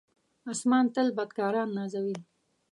آسمان تل بدکاران نازوي.